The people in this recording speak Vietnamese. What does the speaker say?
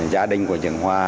gia đình của trường hoa